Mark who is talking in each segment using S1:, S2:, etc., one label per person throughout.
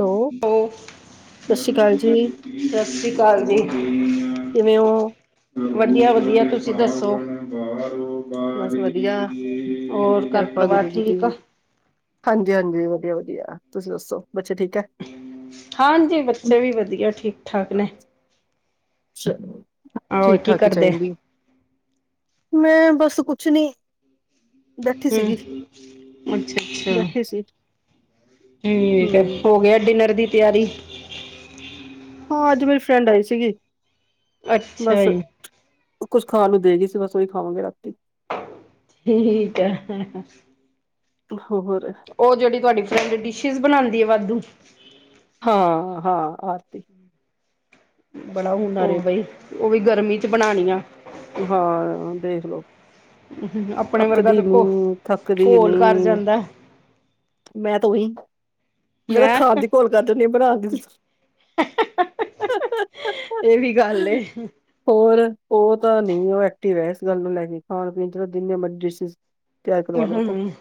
S1: Hello,
S2: ਓ
S1: ਸਤਿ ਸ਼੍ਰੀ ਅਕਾਲ ਜੀ,
S2: ਸਸ੍ਰੀਕਾਲ ਜੀ
S1: ਕਿਵੇਂ ਹੋ?
S2: ਵਦੀਆ ਵਦੀਆ ਤੁਸੀ ਦੱਸੋ?
S1: ਬਸ ਵਧੀਆ,
S2: ਔਰ ਘਰ ਪਰਿਵਾਰ ਠੀਕ ਆ?
S1: ਹਾਂਜੀ- ਹਾਂਜੀ, ਵਧੀਆ- ਵਧੀਆ ਤੁਸੀ ਦੱਸੋ? ਬੱਚੇ ਠੀਕ ਐ?
S2: ਹਾਂਜੀ, ਬੱਚੇ ਵੀ ਵਦੀਆ ਠੀਕ -ਠਾਕ ਨੇ।
S1: ਚਲੋ
S2: ਹੋਰ
S1: ਠੀਕ
S2: ਕੀ
S1: -ਠਾਕ ਈ
S2: ਕਰਦੇ
S1: ਚਾਇੰਦੀ ਮੈਂ, ਬਸ ਕੁਛ ਨੀ। ਬੈਠੀ ਸੀਗੀ,
S2: ਹੂੰ, ਅੱਛ-ਅੱਛਾ।
S1: ਬੈਠੀ ਸੀ,
S2: ਹੁੰ ਠੀਕ ਐ,
S1: ਹੂੰ।
S2: ਹੋ ਗਿਆ ਡਿਨਰ ਦੀ ਤਿਆਰੀ?
S1: ਹਾਂ ਅੱਜ ਮੇਰੀ ਫਰੈਂਡ ਆਈ ਸੀਗੀ,
S2: ਅੱਛਾ
S1: ਬਸ
S2: ਜੀ
S1: ਕੁਛ ਖਾਣ ਨੂੰ ਦੇਗੀ ਸੀ ਬਸ ਉਹੀ ਖਾਵਾਂਗੇ ਰਾਤੀ
S2: ਠੀਕ ਐ, ਹਹ
S1: ਤੇ ਹੋਰ
S2: ਓ ਜੇੜੀ ਤੁਆਡੀ ਫਰੈਂਡ ਡਿਸ਼ਿਜ ਬਣਾਦੀ ਐ ਵਾਧੂ
S1: ਹਾਂ-ਹਾਂ ਆਰਤੀ
S2: ਬੜਾ ਹੁਨਰ ਐ
S1: ਉਹ
S2: ਬਈ, ਓ ਵੀ ਗਰਮੀ ਚ ਬਣਾਣੀਆ।
S1: ਹਾਂ, ਦੇਖਲੋ।
S2: ਆਪਣੇ ਵਰਗਾ
S1: ਅੱਕਦੀ
S2: ਤਾਂ ਘੋ
S1: ਨੀ- ਥੱਕਦੀ ਨੀ
S2: ਘੋਲ ਕਰ ਜਾਂਦਾ
S1: ਮੈਂ ਤਾ ਉਈ, ਮੈਂ
S2: ਹੈਂ
S1: ਖਾਣ ਦੀ ਕੋੋਲ ਕਰਦੀ ਹੁਨੀ ਬਣਾਨ ਦੀ
S2: ਹਹਹਹ---ਹ ਓਹੀ ਗੱਲ ਏ।
S1: ਹੋਰ ਹੋਰ ਤਾਂ ਨਈ ਓ ਐਕਟਿਵ ਐ ਸ ਗੱਲ ਨੂੰ ਲੈ ਕੇ ਖਾਣ-ਪੀਣ ਚ ਤਾਂ ਜਿੰਨੇ ਮਰਜ਼ੀ ਡਿਸ਼ੀਸ ਤਿਆਰ ਕਰਵਾ ਲੋ ਓ ਤੋਂ,
S2: ਹੂੰ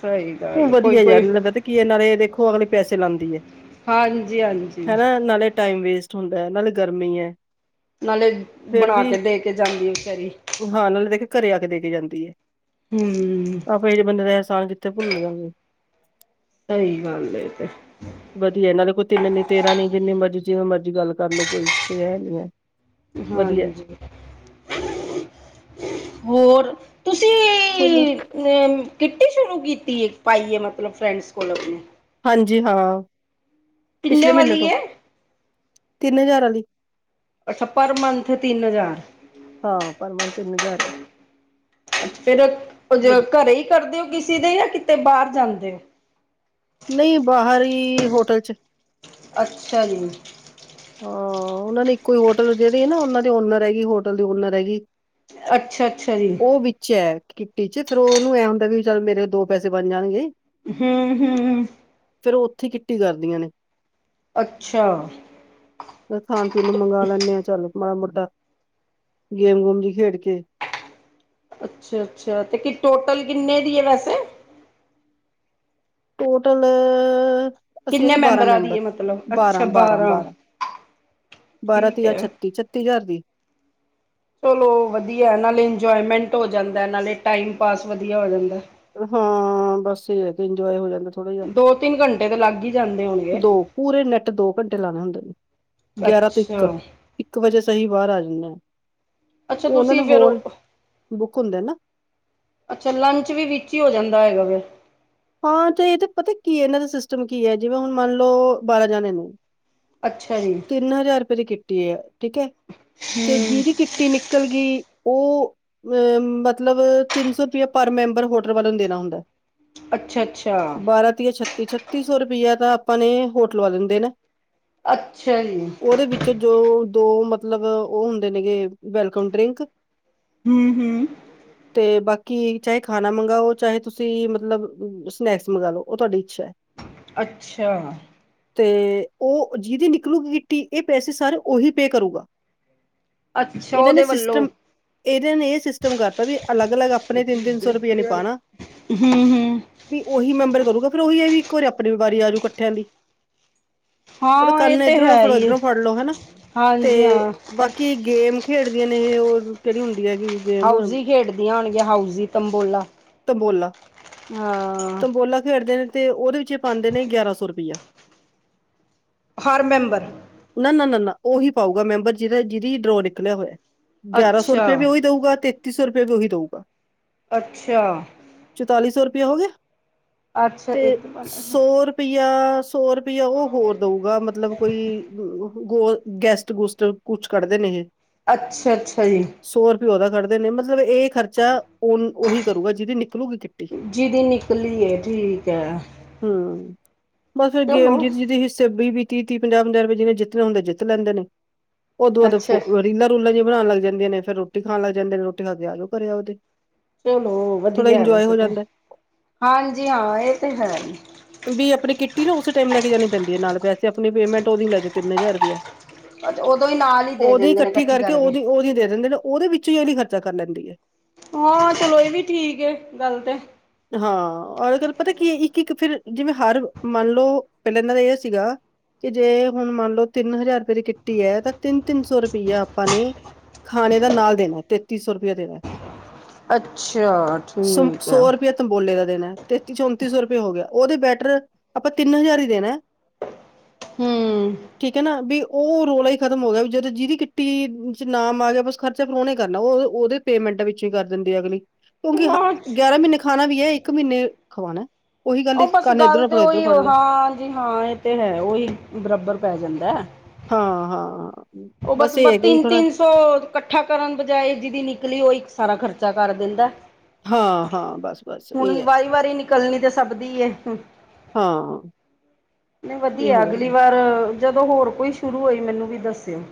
S2: ਸਹੀ ਗੱਲ ਕੋਈ
S1: ਵੱਧੀਆ ਯਾਰ
S2: ਕੋਈ
S1: ਲਗਾ ਤੇ ਕੀ ਐ ਨਾਲੇ ਦੇਖੋ ਅਗਲੀ ਪੈਸੇ ਲਾਂਦੀ ਐ,
S2: ਹਾਂਜੀ ਹਾਂਜੀ
S1: ਹਨਾ ਨਾਲੇ ਟਾਈਮ ਵੇਸਟ ਹੁੰਦਾ ਨਾਲੇ ਗਰਮੀ ਐ।
S2: ਨਾਲੇ ਬਣਾਕੇ ਦੇ ਕੇ ਜਾਂਦੀ ਵਿਚਾਰੀ।
S1: ਹਾਂ ਨਾਲੇ ਦੇ ਕੇ ਘਰੇ ਆ ਕੇ ਦੇ ਕੇ ਜਾਂਦੀ ਏ।
S2: ਹੂੰ
S1: ਆਪਾਂ ਐਹੇ ਜੇ ਬੰਦੇ ਦਾ ਏਸਾਨ ਕਿੱਥੇ ਭੁੱਲ ਜਾਗੇ।
S2: ਸਈ ਗੱਲ ਏ ਤਾ।
S1: ਵੱਧੀਆ ਏਨਾਂ ਨੇ ਕੋਈ ਤਿੰਨ ਨੀ ਤੇਰਾਂ ਨੀ ਜਿੰਨੇ ਮਰਜੀ ਜਿਵੇਂ ਮਰਜ਼ੀ ਗੱਲ ਕਰਲੋ ਕੋਈ ਐ ਨੀ ਐ।
S2: ਹਾਂਜੀ, ਹੋਰ ਤੁਸੀ
S1: ਹੋਰ ਬਸ
S2: ਏ ਤੇ ਕਿੱਟੀ ਸ਼ੁਰੂ ਕੀਤੀ ਏ ਪਾਈ ਏ ਮਤਲਬ ਫਰੈਂਡਸ ਕੋਲ ਆਪਣੀ?
S1: ਹਾਂਜੀ ਹਾਂ
S2: ਕਿੰਨੇ
S1: ਪਿਛਲੇ ਮੀਨੇ
S2: ਵਾਲੀ
S1: ਤੋਂ,
S2: ਏ
S1: ਤਿੰਨ ਹਜ਼ਾਰ ਆਲੀ।
S2: ਅੱਛਾ, ਪਰ ਮੰਨਥ ਤਿੰਨ ਹਜ਼ਾਰ?
S1: ਹਾਂ ਪਰ ਮੰਨਥ ਤਿੰਨ ਹਜ਼ਾਰ ਐ।
S2: ਫੇਰ, ਅ, ਜ,
S1: ਵਧੀਆ
S2: ਘਰੇ ਈ ਕਰਦੇ ਓ ਕਿਸੀ ਦੇ ਜਾਂ ਕਿਤੇ ਬਾਰ ਜਾਂਦੇ ਓ?
S1: ਨਈ ਬਾਹਰ ਹੀ ਹੋਟਲ ਚ।
S2: ਅੱਛਾ ਜੀ।
S1: ਹਾਂ, ਓਨਾਂ ਨੇ ਇੱਕੋ ਈ ਹੋਟਲ ਜੇੜੀ ਐ ਨਾ ਓਨਾਂ ਦੇ ਓਨਰ ਹੈਗੀ ਹੋਟਲ ਦੀ ਓਨਰ ਹੈਗੀ
S2: ਅੱਛਾ-ਅੱਛਾ ਜੀ।
S1: ਓ ਵਿੱਚ ਐਡ ਕਿੱਟੀ ਚ ਫੇਰ ਓਨੂੰ ਐ ਹੁੰਦਾ ਵੀ ਚੱਲ ਮੇਰੇ ਦੋ ਪੈਸੇ ਬਣ ਜਾਣਗੇ।
S2: ਹੂੰ -ਹੂੰ।
S1: ਫੇਰ ਓ ਓੱਥੇ ਕਿੱਟੀ ਕਰਦੀਆਂ ਨੇ।
S2: ਅੱਛਾ।
S1: ਨਾਲੇ ਖਾਣ-ਪੀਣ ਨੂੰ ਮੰਗਾ ਲੈਂਨੇ ਆ ਚੱਲ ਮਾੜਾ ਮੋਟਾ ਗੇਮ-ਗੂਮ ਵੀ ਖੇਡ ਕੇ।
S2: ਅੱਛਾ-ਅੱਛਾ, ਤੇ ਕੀ ਟੋਟਲ ਕਿੰਨੇ ਦੀ ਐ ਵੈਸੇ?
S1: ਟੋਟਲ ਅਸੀਂ
S2: ਕਿੰਨੇ
S1: ਹੈਗੇ ਬਾਰਾਂ
S2: ਮੈਂਬਰਾਂ ਦੀ
S1: ਮੈਂਬਰ,
S2: ਹੈ ਮਤਲਬ?
S1: ਬਾਰਾਂ
S2: ਅੱਛਾ
S1: ਬਾਰਾਂ ਬਾਰਾਂ, ਬਾਰਾਂ
S2: ਠੀਕ
S1: ਤਿਆ
S2: ਹੈ।
S1: ਛੱਤੀ ਛੱਤੀ ਛੱਤੀ ਹਜਾਰ ਦੀ।
S2: ਚਲੋ ਵੱਧੀਆ ਨਾਲੇ ਇੰਜੋਏਮੈਂਟ ਹੋ ਜਾਂਦਾ ਨਾਲੇ ਟਾਈਮ ਪਾਸ ਵੱਧੀਆ ਹੋ ਜਾਂਦਾ।
S1: ਹਾਂ ਬਸ ਏ ਐ ਕਿ ਇੰਜੋਏ ਹੋ ਜਾਂਦਾ ਥੋੜ੍ਹਾ ਜੇਆ।
S2: ਦੋ-ਤਿੰਨ ਘੰਟੇ ਤਾਂ ਲੱਗ ਈ ਜਾਂਦੇ ਆ।
S1: ਦੋ ਪੂਰੇ ਨੈੱਟ ਦੋ ਘੰਟੇ ਲਾਣੇ ਹੁੰਦੇ ਨੇ ਗਿਆਰਾਂ ਤੋਂ ਇੱਕ
S2: ਅੱਛਾ,
S1: ਇੱਕ ਵਜੇ ਸਹੀ ਬਾਰ ਆ ਜਾਂਦੇ ਐ
S2: ਅੱਛਾ
S1: ਓ ਓਨਾਂ ਨੇ
S2: ਤੁਸੀਂ ਫੇਰ
S1: ਹੋਲ ਬੁੱਕ ਹੁੰਦੇ ਨਾ
S2: ਅੱਛਾ ਲੰਚ ਵੀ ਵਿੱਚ ਈ ਹੋ ਜਾਂਦਾ ਹੈਗਾ ਫੇਰ
S1: ਹਾਂ ਤੇ ਏ ਤਾਂ ਪਤਾ ਕੀ ਐ ਇਨਾਂ ਦਾ ਸਿਸਟਮ ਕੀ ਐ ਜਿਵੇਂ ਹੁਣ ਮੰਨਲੋ ਬਾਰਾਂ ਜਾਣੇ ਨੇ
S2: ਅੱਛਾ ਜੀ।
S1: ਤਿੰਨ ਹਜ਼ਾਰ ਰੁਪਏ ਦੀ ਕਿੱਟ ਈ ਐ ਠੀਕ ਐ ਤੇ ਜਿਦੀ ਕੀ ਟੀ ਨਿਕਲ ਗਈ ਓ ਅ ਮਤਲਬ ਤਿੰਨ ਸੌ ਰੁਪਇਆ ਪਰ ਮੈਂਬਰ ਹੋਟਲ ਵਾਲੇ ਨੂੰ ਦੇਣਾ ਹੁੰਦੈ।
S2: ਅੱਛਾ, ਅੱਛਾ,
S1: ਬਾਰਾਂ ਤੀਆ ਛੱਤੀ-ਛੱਤੀ ਸੌ ਰੁਪਈਆ ਤਾਂ ਆਪਾਂ ਨੇ ਹੋਟਲ ਵਾਲੇ ਨੂੰ ਦੇਣਾ
S2: ਅੱਛਾ ਜੀ।
S1: ਓਦੇ ਵਿੱਚੋ ਜੋ ਦੋ ਮਤਲਬ ਓ ਹੁੰਦੇ ਨੇਗੇ ਵੈਲਕਮ ਡਰਿੰਕ
S2: ਹੂੰ-ਹੂੰ
S1: [inaudible] ਤੇ ਬਾਕੀ ਚਾਹੇ ਖਾਣਾ ਮੰਗਾਂਓ ਚਾਹੇ ਤੁਸੀਂ ਮਤਲਬ ਸਨੈਕਸ ਮੰਗਵਾ ਲਓ ਓ ਤੁਹਾਡੀ ਇੱਛਾ ਐ। [inaudible]
S2: ਅੱਛਾ।
S1: ਤੇ ਓ ਜਿਦੀ ਨਿਕਲੂਗੀ ਕਿਟੀ ਏ ਪੈਸੇ ਸਾਰੇ ਓਹੀ ਪੇ ਕਰੂਗਾ।
S2: ਅੱਛਾ ਓਦੇ ਵੱਲੋਂ।
S1: ਏਦੇ ਨੇ ਏ ਸਿਸਟਮ ਕਰਤਾ ਵੀ ਅਲੱਗ-ਅਲੱਗ ਆਪਣੇ ਤਿੰਨ ਤਿੰਨ ਸੌ ਰੁਪਇਆ ਨੀ ਪਾਣਾ
S2: ਹੂੰ-ਹੂੰ
S1: ਵੀ ਓਹੀ ਮੈਂਬਰ ਕਰੂਗਾ ਫਿਰ ਓਹੀ ਐ ਵੀ ਇੱਕ ਵਾਰੀ ਆਪਣੀ ਵਾਰੀ ਆਜੂ ਕੱਠਿਆਂ ਦੀ। ਉਹ ਤਾਂ
S2: ਹਾਂ ਇਹ
S1: ਕੰਨ
S2: ਤੇ
S1: ਇਧਰੋਂ
S2: ਹੈ
S1: ਫੜੋ
S2: ਹੀ ਏ।
S1: ਇੱਧਰੋਂ ਫੜ ਲੋੋ ਹਨਾ ਤੇ
S2: ਹਾਂਜੀ ਹਾਂ
S1: ਬਾਕੀ ਗੇਮ ਖੇਡਦੀਆਂ ਨੇ ਏਹ ਓਹ ਕੇੜੀ ਹੁੰਦੀ ਐਗੀ
S2: ਹਾਊਜੀ ਖੇਡਦੀਆਂ ਹੋਣਗੀਆਂ ਹਾਊਜੀ ਤੰਬੋਲਾ ਹਾਂ
S1: ਤੰਬੋਲਾ-ਤੰਬੋਲਾ ਖੇਡਦੇ ਨੇ ਤੇ ਓਦੇ ਵਿੱਚ ਪਾਂਦੇ ਨੇ ਗਿਆਰਾਂ ਸੌ ਰੁਪਇਆ।
S2: ਹਰ ਮੈਂਬਰ
S1: ਨਾ-ਨਾ-ਨਾ-ਨਾ ਓਹੀ ਪਾਊਗਾ ਮੈਂਬਰ ਜਿਦਾ ਜਿਦੀ ਡਰੋ ਨਿਕਲਿਆ ਹੋਇਆ। ਗਿਆਰਾਂ ਸੌ
S2: ਅੱਛਾ
S1: ਰੁਪਏਆ ਓਈ ਦਊਗਾ ਤੇਤੀ ਸੌ ਰੁਪੇਆ ਵੀ ਓਹੀ ਦਊਗਾ।
S2: ਅੱਛਾ।
S1: ਚੁਤਾਲੀ ਸੌ ਰੁਪਇਆ ਹੋ ਗਿਆ
S2: ਅੱਛਾ
S1: ਤੇ
S2: ਇੱਕ
S1: ਸੌ ਰੁ ਪਇਆ ਸੌ ਰੁਪਇਆ ਓ ਹੋਰ ਦਊਗਾ ਮਤਲਬ ਕੋਈ ਗੋਲ ਗੈਸਟ-ਗੁਸਟ ਕੁਛ ਕੱਢਦੇ ਨੇ ਏਹ।
S2: ਅੱਛਾ-ਅੱਛਾ ਜੀ।
S1: ਸੌ ਰੁਪਏ ਓਦਾ ਖੜਦੇ ਨੇ ਮਤਲਬ ਏ ਖਰਚਾ ਔਨ ਓਹੀ ਕਰੂਗਾ ਜਿਦੀ ਨਿਕਲੂਗੀ ਕਿੱਟੀ।
S2: ਜਿਹਦੀ ਨਿਕਲੀ ਹੈ ਠੀਕ ਹੈ
S1: ਹੂੰ ਬਸ ਫਿਰ
S2: ਚਲੋ
S1: ਗੇਮ ਜਿਦੀ ਜਿਦੀ ਹਿੱਸੇ ਵੀਹ-ਵੀਹ ਤੀਹ-ਤੀਹ ਪੰਜਾਹ-ਪੰਜਾਹ ਰੁਪਏ ਜਿਨੇ ਜਿੱਤਣੇ ਹੁੰਦੇ ਜਿੱਤ ਲੈਂਦੇ ਨੇ ਓਦੋਂ ਬਾਦ ਫ
S2: ਅੱਛਾ
S1: ਰੀਲਾ-ਰੁਲਾਂ ਜੀਆਂ ਬਣਾਣ ਲੱਗ ਜਾਂਦੀਆਂ ਨੇ ਫਿਰ ਰੋਟੀ ਖਾਣ ਲਗ ਜਾਂਦੇ ਨੇ ਰੋਟੀ ਖਾ ਕੇ ਆ ਜੋ ਘਰੇ ਆਪਦੇ।
S2: ਚਲੋ ਵਧੀਆ ਵੈਸੇ ਤੇ
S1: ਜਾਂਦਾ
S2: ਹਾਂਜੀ ਹਾਂ ਏ ਤੇ ਹੈ ਈ।
S1: ਵੀ ਆਪਣੀ ਕਿੱਟੀ ਨਾ ਉਸੇ ਟਾਈਮ ਲੈ ਕੇ ਜਾਣੀ ਪੈਂਦੀ ਆ ਨਾਲ ਪੈੇਸੇ ਆਪਣੀ ਪੇਮੈਂਟ ਓਦੀ ਲੈਜੋ ਤਿੰਨ ਹਜ਼ਾਰ ਰੁਪਇਆ।
S2: ਉਦੋਂ ਹੀ ਨਾਲ ਹੀ ਦੇ
S1: ਓਦੀ
S2: ਦਿੰਦੇ ਨੇ
S1: ਕੱਠੀ
S2: ਇਕੱਠੀ
S1: ਕਰਕੇ ਓਦੀ-ਓਦੀ ਦੇ ਦਿੰਦੇ ਨੇ ਓਦੇ ਵਿੱਚੋ ਈ ਅਗਲੀ ਖਰਚਾ ਕਰ ਲੈਂਦੀ ਐ।
S2: ਹਾਂ ਚਲੋ ਏ ਵੀ ਠੀਕ ਐ ਗੱਲ ਤੇ।
S1: ਹਾਂ ਔਰ ਅਗਰ ਪਤਾ ਕੀ ਇੱਕ ਇੱਕ ਫਿਰ ਜਿਵੇਂ ਹਰ ਮੰਨਲੋ ਪੈਲਾਂ ਇਨਾਂ ਦਾ ਏ ਸੀਗਾ ਕੀ ਜੇ ਹੁਣ ਮੰਨਲੋ ਤਿੰਨ ਹਜ਼ਾਰ ਰੁਪਏ ਦੀ ਕਿਟੀ ਐ ਤਾਂ ਤਿੰਨ-ਤਿੰਨ ਸੌ ਰੁਪਈਆ ਆਪਾਂ ਨੇ ਖਾਣੇ ਦਾ ਨਾਲ ਦੇਣਾ ਤੇਤੀ ਸੌ ਰੁਪਇਆ ਦੇਣਾ।
S2: ਅੱਛਾ ਠੀਕ ਹੈ
S1: ਸ-ਸੌ ਰੁਪਏ ਤਮਬੋਲੇ ਦਾ ਦੇਣਾ ਐ। ਤੇਤੀ-ਚੌਂਤੀ ਸੌ ਰੁਪਏ ਹੋ ਗਿਆ, ਉਹਦੇ ਬੈਟਰ ਆਪਾਂ ਤਿੰਨ ਹਜ਼ਾਰ ਹੀ ਦੇਣਾ ਐ। [inaudible]
S2: ਹਮ
S1: ਠੀਕ ਹੈ ਨਾ ਵੀ ਉਹ ਰੌਲਾ ਹੀ ਖ਼ਤਮ ਹੋ ਗਿਆ ਵੀ ਜਦ ਜਿਹਦੀ ਕਿੱਟੀ ਚ ਨਾਮ ਆ ਗਿਆ ਬਸ ਖਰਚਾ ਫਿਰ ਓਨੇ ਈ ਕਰਨਾ, ਉਹ- ਉਹਦੇ ਪੇਮੈਂਟ ਵਿੱਚ ਹੀ ਕਰ ਦਿੰਦੀ ਆ ਅਗਲੀ ਕਿਉਂਕਿ ਹ ਗਿਆਰਾਂ ਮਹੀਨੇ ਖਾਣਾ ਵੀ ਐ, ਇੱਕ ਮਹੀਨੇ ਖਵਾਣਾ ਐ।
S2: ਇਹ ਬਸ ਗੱਲ ਤੇ ਉਹੀ ਓ ਹਾਂਜੀ ਹਾਂ ਇਹ ਤੇ ਹੈ ਉਹੀ ਬਰਾਬਰ ਪੈ ਜਾਂਦਾ।
S1: ਹਾਂ ਹਾਂ।
S2: ਉਹ ਬਸ ਬ
S1: ਇਹ ਹੈ ਕਿ ਵੀ ਥੋੜਾ
S2: ਤਿੰਨ-ਤਿੰਨ ਸੋ ਇਕੱਠਾ ਕਰਨ ਬਜਾਏ ਜਿਹਦੀ ਨਿਕਲੀ ਉਹ ਇੱਕ ਸਾਰਾ ਖਰਚਾ ਕਰ ਦਿੰਦਾ।
S1: ਹਾਂ-ਹਾਂ, ਬਸ-ਬਸ ਇਹ ਐ।
S2: ਕੱਲਣੀ ਤਾਂ ਸਭ ਦੀ ਐ,
S1: ਹਾਂ
S2: ਨਈ
S1: ਇਹ
S2: ਵਧੀਆ
S1: ਹੋ
S2: ਅਗਲੀ
S1: ਜਾਂਦਾ
S2: ਵਾਰ ਜਦੋਂ ਹੋਰ ਕੋਈ ਸ਼ੁਰੂ ਹੋਈ ਮੈਨੂੰ ਵੀ ਦੱਸਿਓ।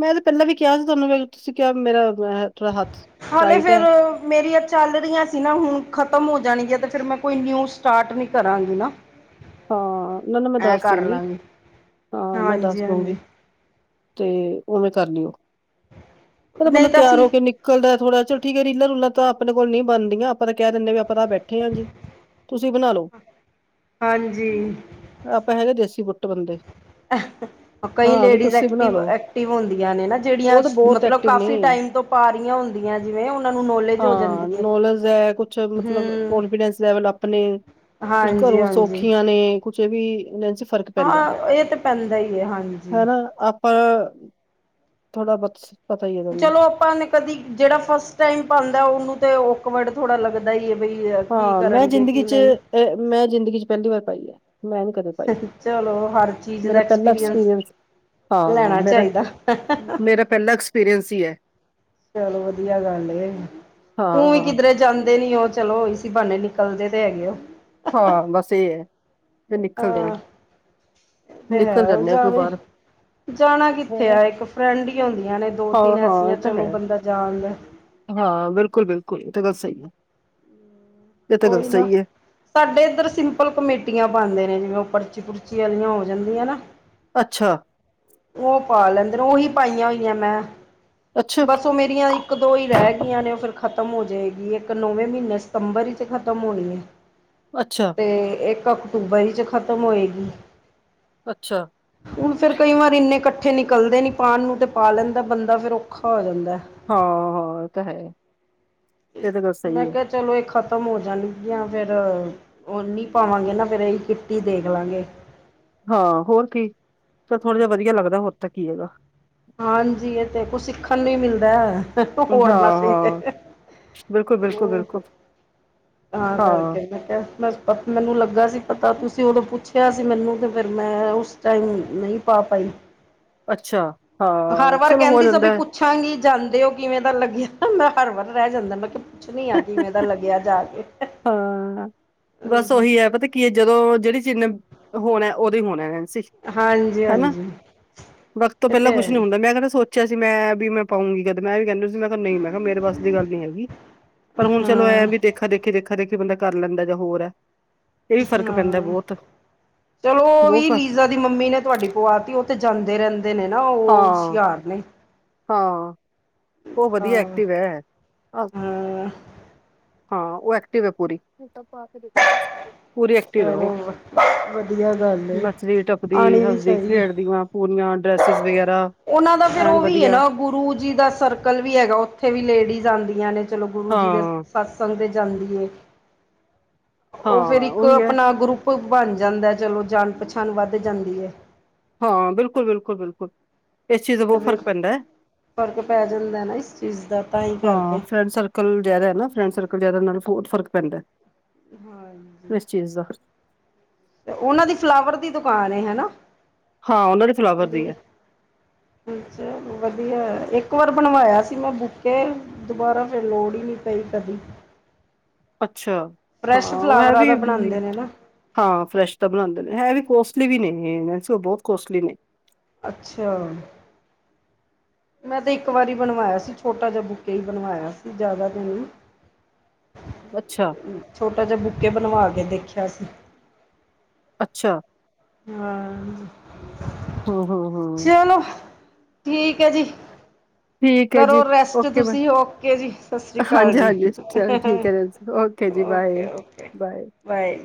S1: ਮੈਂ ਤਾਂ ਪਹਿਲਾਂ ਵੀ ਕਿਹਾ ਸੀ ਤੁਹਾਨੂੰ ਵੀ ਤੁਸੀਂ ਕਿਹਿਆ ਮੇਰਾ ਥੋੜਾ ਹੱਥ
S2: ਹਾਲੇ
S1: ਟਾਈਟ
S2: ਫਿਰ
S1: ਹੈ
S2: ਮੇਰੀਆਂ ਚੱਲ ਰਹੀਆਂ ਸੀ ਨਾ ਹੁਣ ਖਤਮ ਹੋ ਜਾਣਗੀਆਂ ਤੇ ਫਿਰ ਮੈਂ ਕੋਈ ਨਿਊ ਸਟਾਰਟ ਨੀ ਕਰਾਂਗੀ ਨਾ।
S1: ਹਾਂ ਨਾ-ਨਾ ਮੈਂ
S2: ਐਂ
S1: ਦੱਸ
S2: ਕਰ
S1: ਦੂੰਗੀ,
S2: ਲਾਂਗੀ
S1: ਹਾਂ ਮੈਂ ਦੱਸ
S2: ਹਾਂਜੀ
S1: ਦੂੰਗੀ।
S2: ਹਾਂਜੀ
S1: ਤੇ ਉਵੇਂ ਕਰ ਲੀ ਓ, ਕਹਿਦਾ ਬੰਦਾ
S2: ਨਹੀਂ ਤਾਂ
S1: ਤਿਆਰ
S2: ਅਸੀਂ
S1: ਹੋ ਕੇ ਨ ਨਿਕੱਲ ਦਾ ਥੋੜਾ ਚੱਲ, ਠੀਕ ਐ ਰਲਾਂ- ਰੁਲਾਂ ਤਾਂ ਆਪਣੇ ਕੋਲ ਨਈ ਬਣਦੀਆਂ ਆਪਾਂ ਤਾਂ ਕਹਿ ਦਿੰਦੇ ਵੀ ਆਪਾਂ ਤਾਂ ਬੈਠੇ ਆ ਜੀ। ਤੁਸੀਂ ਬਣਾ ਲੋ।
S2: ਹਾਂਜੀ
S1: ਆਪਾਂ ਹੈਗੇ ਦੇਸੀ ਬੁਟ ਬੰਦੇ
S2: ਕਈ
S1: ਹਾਂ ਵੀ
S2: ਲੇਡੀਜ਼
S1: ਤੁਸੀਂ ਬਣਾ
S2: ਐਕਟਿਵ-
S1: ਲਓ
S2: ਐਕਟਿਵ ਹੁੰਦੀਆਂ ਨੇ ਨਾ ਜਿਹੜੀਆਂ
S1: ਉਹ ਤਾਂ ਬਹੁਤ
S2: ਮਤਲਬ
S1: ਐਕਟਿਵ ਨੇ
S2: ਕਾਫੀ ਟਾਈਮ ਤੋਂ ਪੁਰਾਣੀਆਂ ਹੁੰਦੀਆਂ ਜਿਵੇਂ ਉਹਨਾਂ ਨੂੰ ਨੌਲੇਜ ਹੋ
S1: ਹਾਂ
S2: ਜਾਂਦੀ ਏ,
S1: ਨੌਲੇਜ ਹੈ ਕੁਛ
S2: ਹੂੰ
S1: ਮਤਲਬ ਕੌਨਫੀਡੈਂਸ ਲੈਵਲ ਆਪਣੇ, ਕੁਝ ਘਰੋਂ ਸੌਖੀਆਂ ਨੇ ਕੁਛ ਵੀ ਵੈਸੇ
S2: ਹਾਂ ਇਹ ਤੇ ਪੈਂਦਾ ਹੀ ਹੈ ਹਾਂਜੀ।
S1: ਹਾ, ਥੋੜ੍ਹਾ ਬਟਸ
S2: ਚਲੋ ਆਪਾਂ ਨੇ ਕਦੀ ਜਿਹੜਾ ਫਸਟ ਟਾਈਮ ਪਾਦੈ ਉਹਨੂੰ ਤੇ ਓਕਵਡ ਥੋੜ੍ਹਾ ਲੱਗਦਾ ਈ ਏ, ਬਈ ਏ ਕੀ ਕਰਨਗੇ ਕੀ ਨਈ
S1: ਇਹ ਮੈਂ ਜ਼ਿੰਦਗੀ ਚ ਪਹਿਲੀ ਵਾਰ ਪਾਈ ਐ, ਮੈਂ ਨੀ ਕਦੇ ਪਾਈ
S2: ਚਲੋ ਹਰ ਚੀਜ਼ ਦਾ
S1: ਮੇਰਾ ਪਹਿਲਾ
S2: ਐਕਸਪੀਰੀਅਸ
S1: ਐਕਸਪੀਰੀਅੰਸ ਹਾਂ ਮੇਰਾ, ਮੇਰਾ ਪਹਿਲਾ ਐਕਸਪੀਰੀਅੰਸ ਈ ਐ।
S2: ਚਲੋ ਵਧੀਆ ਗੱਲ ਏ, ਊ ਵੀ
S1: ਹਾਂ,
S2: ਕਿੱਧਰੇ ਜਾਂਦੇ ਨੀ ਓ, ਚਲੋ ਸੀ ਬਹਾਨੇ ਨਿਕਲਦੇ ਤੇ ਹੈਗੇ ਓ।
S1: ਹਾਂ ਬੱਸ ਏ ਐ। ਨਿਕਲ ਦੇਣ,
S2: ਹਾਂ ਉਹ ਤੇ
S1: ਨਿਕਲ
S2: ਹੈ
S1: ਜਾਂਦੇ ਆ ਕੋਈ
S2: ਜਾਵੇ
S1: ਬਾਹਰ
S2: ਜਾਣਾ ਕਿੱਥੇ
S1: ਹੈਂ।
S2: ਐ, ਇੱਕ ਫਰੈਂਡ ਹੀ ਹੁੰਦੀਆਂ ਨੇ ਦੋ-
S1: ਹਾਂ,
S2: ਤਿੰਨ
S1: ਹਾਂ
S2: ਐਸੀਆਂ
S1: ਇਹ ਤਾਂ ਹੈ
S2: ਚਲੋ ਬੰਦਾ ਜਾਆਦਾ ਐ।
S1: ਹਾਂ ਬਿਲਕੁਲ- ਬਿਲਕੁਲ ਉਹ ਤੇ ਗੱਲ ਸਹੀ ਐ, ਇਹ ਤਾਂ ਗੱਲ
S2: ਕੋਈ ਨਾ
S1: ਸਹੀ ਐ।
S2: ਸਾਡੇ ਇੱਧਰ ਸਿੰਪਲ ਕਮੇਟੀਆਂ ਪਾਦੇ ਨੇ ਜਿਵੇਂ ਉਹ ਪਰਚੀ-ਪੁਰਚੀ ਵਾਲੀਆਂ ਹੋ ਜਾਂਦੀਆਂ ਨਾ।
S1: ਅੱਛਾ
S2: ਉਹ ਪਾ ਲੈਂਦੇ ਨੇ ਉਹੀ ਪਾਈਆਂ ਹੋਈਆਂ ਮੈਂ,
S1: ਅੱਛਾ,
S2: ਬਸ ਉਹ ਮੇਰੀ ਮੇਰੀਆਂ ਇੱਕ- ਦੋ ਈ ਰਹਿ ਗਈਆਂ ਨੇ, ਉਹ ਫਿਰ ਖਤਮ ਹੋ ਜਾਏਗੀ। ਇੱਕ ਨੌਵੇਂ ਮਹੀਨੇ ਸਤੰਬਰ ' ਖਤਮ ਹੋਣੀ ਐ।
S1: ਅੱਛਾ
S2: ਤੇ ਇੱਕ ਅਕਤੂਬਰ ਹੀ ਚ ਖ਼ਤਮ ਹੋਏਗੀ।
S1: ਅੱਛਾ
S2: ਹੁਣ ਫੇਰ ਕਈ ਵਾਰ ਇੰਨੇ ਇਕੱਠੇ ਨਿਕਲਦੇ ਨੀ ਪਾਉਣ ਨੂੰ ਤੇ ਪਾ ਲੈਂਦਾ ਬੰਦਾ ਫਿਰ ਔਖਾ ਹੋ ਜਾਂਦਾ
S1: ਹਾਂ ਏਹ ਤਾਂ ਹੈ ਇਹ ਤਾਂ ਗੱਲ
S2: ਮੈਂ
S1: ਸਹੀ ਹੈ
S2: ਕਿਹਾ ਚਲੋ ਇਹ ਖ਼ਤਮ ਹੋ ਜਾਣਗੀਆਂ ਫੇਰ ਹੋਰ ਨੀ ਪਾਵਾਂਗੇ ਨਾ ਫੇਰ ਇਹੀ ਕਿੱਟੀ ਦੇਖ ਲਵਾਂਗੇ
S1: ਹਾਂ ਹੋਰ ਕੀ ਤਾਂ ਥੋੜ੍ਹਾ ਜਿਹਾ ਵਧੀਆ ਲੱਗਦਾ ਹੋਰ ਤਾਂ ਕੀ ਹੈਗਾ
S2: ਹਾਂਜੀ ਇਹ ਤੇ ਕੁਛ ਸਿੱਖਣ ਨੂੰ ਹੀ ਮਿਲਦਾ ਹੈ
S1: ਹਾਂ,
S2: ਹੋਰ ਮਸ ਤੇ
S1: ਹਾਂ ਬਿਲਕੁਲ, ਬਿਲਕੁਲ,
S2: ਹੋ
S1: ਬਿਲਕੁਲ
S2: ਤਾਂ
S1: ਹਾਂ
S2: ਕਰਕੇ ਮੈਂ ਕਿਹਾ ਮ ਮੈਨੂੰ ਲੱਗਾ ਸੀ ਪਤਾ ਤੁਸੀਂ ਉਦੋਂ ਪੁੱਛਿਆ ਸੀ ਮੈਨੂੰ ਅਤੇ ਫਿਰ ਮੈਂ ਉਸ ਟਾਈਮ ਨਹੀਂ ਪਾ ਪਾਈ
S1: ਅੱਛਾ ਹਾਂ
S2: ਹਰ ਵਾਰ
S1: ਚਲੋ ਹੋ
S2: ਕਹਿੰਦੀ ਸੀ ਵੀ
S1: ਜਾਂਦਾ ਹੈ
S2: ਪੁੱਛਾਂਗੀ ਜਾਂਦੇ ਉਹ ਕਿਵੇਂ ਦਾ ਲੱਗਿਆ ਮੈਂ ਹਰ ਵਾਰ ਰਹਿ ਜਾਂਦਾ ਮੈਂ ਕਿਹਾ ਪੁੱਛਣੀ ਆ ਕਿਵੇਂ ਪਤਾ ਲੱਗਿਆ ਜਾ ਕੇ
S1: ਹਾਂ ਬਸ ਉਹੀ ਹੈ ਪਤਾ ਕੀ ਜਦੋਂ ਜਿਹੜੀ ਚੀਜ਼ ਨੇ ਹੋਣੈ ਉਦੋਂ ਹੀ ਹੋਣੈ ਸੀ
S2: ਹਾਂਜੀ
S1: ਹਨਾ
S2: ਹਾਂਜੀ
S1: ਵਕਤ ਤੋਂ
S2: ਇਹ
S1: ਪਹਿਲਾਂ
S2: ਤੇ ਹੈ
S1: ਕੁਛ ਨੀ
S2: ਹੀ।
S1: ਹੁੰਦਾ ਮੈਂ ਕਦੀ ਸੋਚ ਸੋਚਿਆ ਸੀ ਮੈਂ ਵੀ ਮੈਂ ਪਾਊਂਗੀ ਕਦੇ ਮੈਂ ਵੀ ਕਹਿੰਦਾ ਸੀ ਮੈਂ ਨਹੀਂ ਮੈਂ ਕਿਹਾ ਮੇਰੇ ਵਸ ਦੀ ਗੱਲ ਨੀ ਹੈਗੀ ਪਰ ਹੁਣ ਚਲੋ ਐਂ
S2: ਹਾਂ
S1: ਵੀ ਦੇਖਾ ਦੇਖੀ ਦੇਖਾ ਹਰੇਕ ਕਿ ਬੰਦਾ ਕਰ ਲੈਂਦਾ ਜਾਂ ਹੋਰ ਹੈ ਇਹ ਵੀ ਫ਼ਰਕ ਪੈਂਦਾ
S2: ਹਾਂ
S1: ਬਹੁਤ
S2: ਚਲੋ ਉਹ
S1: ਬਹੁਤ
S2: ਵੀ
S1: ਫ
S2: ਲੀਜ਼ਾ ਦੀ ਮੰਮੀ ਨੇ ਤੁਹਾਡੀ ਪੁਆਤੀ ਉਹ ਤੇ ਜਾਂਦੇ ਰਹਿੰਦੇ ਦੇ ਨੇ ਨਾ ਉਹ
S1: ਹਾਂ
S2: ਸ਼ਿਆਰ ਨੇ
S1: ਹਾਂ ਉਹ ਵਧੀਆ
S2: ਹਾਂ
S1: ਐਕਟਿਵ ਹੈ
S2: ਹਾਂ
S1: ਹਾਂ ਉਹ ਐਕਟਿਵ ਹੈ ਪੂਰੀ ਪੂਰੀ ਐਕਟਿਵ ਐ ਉਹ
S2: ਚਲੋ ਵਧੀਆ ਗੱਲ ਏ
S1: ਨੱਚਦੀ ਟੱਪਦੀ
S2: ਆਣੀ ਵੀ
S1: ਹੱਸਦੀ
S2: ਚਾਹੀਦੀ
S1: ਖੇਡਦੀ ਵ ਪੂਰੀਆਂ ਡਰੈਸਿਸ ਵਗੈਰਾ
S2: ਉਹਨਾਂ ਦਾ ਫੇਰ
S1: ਐਨ
S2: ਉਹ ਵੀ ਏ
S1: ਵਧੀਆ
S2: ਨਾ ਗੁਰੂ ਜੀ ਦਾ ਸਰਕਲ ਵੀ ਹੈਗਾ ਉੱਥੇ ਵੀ ਲੇਡੀਜ਼ ਆਂਦੀਆਂ ਨੇ ਚਲੋ ਗੁਰੂ ਜੀ ਦੇ
S1: ਹਾਂ
S2: ਸਤਸੰਗ ਤੇ ਜਾਂਦੀ ਏ
S1: ਹਾਂ
S2: ਉਹ ਫੇਰ ਇੱਕ
S1: ਉਹੀ ਹੈ
S2: ਆਪਣਾ ਗਰੁੱਪ ਬਣ ਜਾਂਦੈ ਚਲੋ ਜਾਣ ਪਛਾਣ ਵੱਧ ਜਾਂਦੀ ਏ
S1: ਹਾਂ ਬਿਲਕੁਲ ਬਿਲਕੁਲ ਬਿਲਕੁਲ ਇਸ ਚੀਜ਼ ਦਾ
S2: ਤੇ
S1: ਬਹੁਤ ਫ਼ਰਕ
S2: ਫੇਰ
S1: ਪੈਂਦਾ
S2: ਫ਼ਰਕ ਪੈ ਜਾਂਦੈ ਨਾ ਇਸ ਚੀਜ਼ ਦਾ ਤਾਂ ਹੀ
S1: ਹਾਂ
S2: ਕਰਕੇ
S1: ਫਰੈਂਡ ਸਰਕਲ ਜਿਆਦਾ ਹੈ ਨਾ ਫਰੈਂਡ ਸਰਕਲ ਜ਼ਿਆਦਾ ਨਾਲ ਬਹੁਤ ਫਰਕ ਪੈਂਦੈ
S2: ਹਾਂਜੀ
S1: ਚੀਜਾਂ
S2: ਤੇ ਉਹਨਾਂ ਦੀ ਫਲਾਵਰ ਦੀ ਦੁਕਾਨ ਏ ਹਨਾ
S1: ਹਾਂ ਉਹਨਾਂ ਦੀ ਫਲਾਵਰ ਦੀ ਏ
S2: ਅੱਛਾ ਵਧੀਆ ਇੱਕ ਵਾਰ ਬਣਵਾਇਆ ਸੀ ਮੈਂ ਬੁਕੇ ਦੁਬਾਰਾ ਫੇਰ ਲੋੜ ਹੀ ਨੀ ਪਈ ਕਦੀ
S1: ਅੱਛਾ
S2: ਫਰੈਸ਼
S1: ਹਾਂ ਉਹ ਏ
S2: ਫਲਾਵਰਾਂ ਦਾ
S1: ਵੀ
S2: ਬਣਾਉਂਦੇ ਨੇ ਨਾ
S1: ਹਾਂ ਫਰੈਸ਼ ਤਾਂ ਬਣਾਉਂਦੇ ਨੇ ਇਹ ਵੀ ਕੋਸਟਲੀ ਵੀ ਨੇ ਇਹ ਬਹੁਤ ਕੋਸਟਲੀ ਨੇ
S2: ਅੱਛਾ ਮੈਂ ਤੇ ਇੱਕ ਵਾਰੀ ਬਣਵਾਇਆ ਸੀ ਛੋਟਾ ਜਿਹਾ ਬੁੱਕੇ ਹੀ ਬਣਵਾਇਆ ਸੀ ਜ਼ਿਆਦਾ ਤਾਂ ਨਹੀਂ
S1: ਅੱਛਾ
S2: ਛੋਟਾ ਜਿਹਾ ਬੁੱਕੇ ਬਣਵਾ ਕੇ ਦੇਖਿਆ ਸੀ
S1: ਅੱਛਾ
S2: ਹਾਂ।
S1: ਹੂੰ-ਹੂੰ।
S2: ਚਲੋ, ਠੀਕ ਐ ਜੀ।
S1: ਠੀਕ ਹੈ ਜੀ
S2: ਕਰੋ ਰੈਸਟ
S1: ਓਕੇ ਬਾਏ
S2: ਤੁਸੀਂ, ਓਕੇ ਜੀ। ਸਸਰੀ ਕਾਲ
S1: ਹਾਂਜੀ
S2: ਜੀ।
S1: ਹਾਂਜੀ ਚਲ ਠੀਕ ਹੈ ਨੈਨਸੀ ਓਕੇ ਜੀ, ਬਾਏ-ਬਾਏ।
S2: ਬਾਏ।